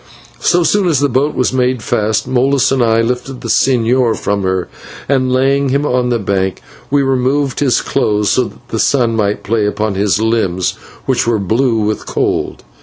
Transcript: So soon as the boat was made fast, Molas and I lifted the señor from her, and, laying him on the bank, we removed his clothes so that the sun might play upon his limbs, which were blue with cold.